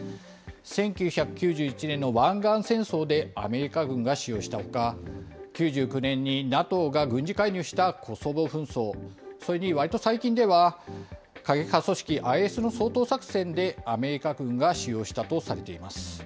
１９９１年の湾岸戦争でアメリカ軍が使用したほか、９９年にＮＡＴＯが軍事介入したコソボ紛争、それにわりと最近では、過激派組織ＩＳの掃討作戦でアメリカ軍が使用したとされています。